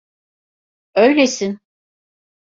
Öylesin.